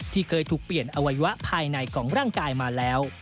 ที่เคยถูกเปลี่ยนอวัยวะภายในของร่างกายมาแล้ว